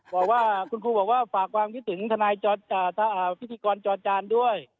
บอกว่าคุณครูบอกว่าฝากความคิดถึงทนายพิธีกรจอจานด้วย